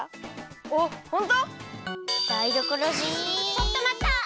ちょっとまった！